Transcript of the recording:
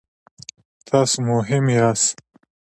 تاسو مهم یاست